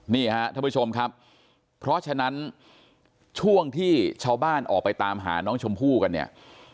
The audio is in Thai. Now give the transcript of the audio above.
นี่ฮะท่านผู้ชมครับเพราะฉะนั้นช่วงที่ชาวบ้านออกไปตามหาน้องชมพู่กันเนี่ย